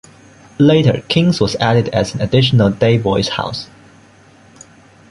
Later, King's was added as an additional day-boys house.